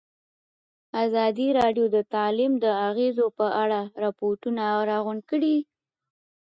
ازادي راډیو د تعلیم د اغېزو په اړه ریپوټونه راغونډ کړي.